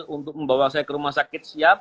untuk membawa saya ke rumah sakit siap